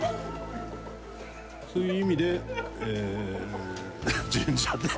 そういう意味で神社で。